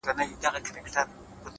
که تریخ دی زما دی _